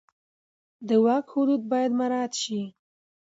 د واک حدود باید مراعت شي.